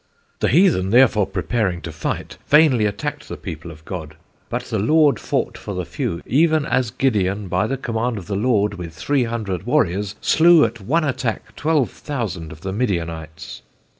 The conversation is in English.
"The heathen therefore preparing to fight, vainly attacked the people of God. But the Lord fought for the few, even as Gideon by the command of the Lord, with 300 warriors slew at one attack 12,000 of the Midianites.